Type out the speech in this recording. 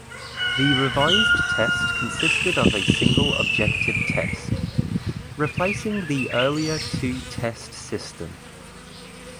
The revised test consisted of a single objective test, replacing the earlier two-test system.